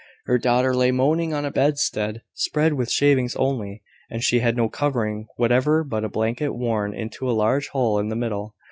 Her daughter lay moaning on a bedstead spread with shavings only, and she had no covering whatever but a blanket worn into a large hole in the middle.